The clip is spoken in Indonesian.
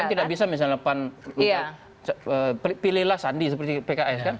kan tidak bisa misalnya pan pilihlah sandi seperti pks kan